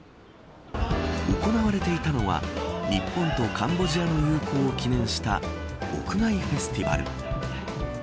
行われていたのは日本とカンボジアの友好を記念した屋外フェスティバル。